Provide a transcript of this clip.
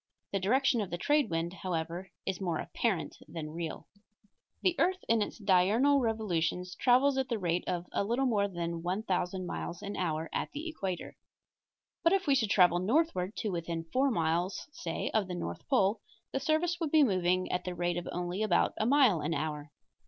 The direction of the trade wind, however, is more apparent than real. The earth in its diurnal revolutions travels at the rate of a little more than 1000 miles an hour at the equator. But if we should travel northward to within four miles, say, of the north pole, the surface point would be moving at the rate of only about a mile an hour.